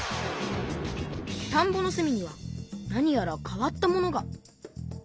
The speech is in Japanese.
たんぼのすみにはなにやら変わったものが。